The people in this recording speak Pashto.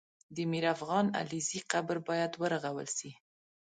د میرافغان علیزي قبر باید ورغول سي